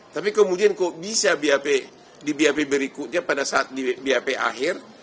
tapi kemudian kok bisa di bap berikutnya pada saat di bap akhir